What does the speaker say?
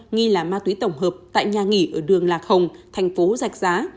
nghi là ma túy tổng hợp tại nhà nghỉ ở đường lạc hồng thành phố giạch giá